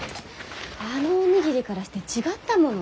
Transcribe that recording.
あのお握りからして違ったもの。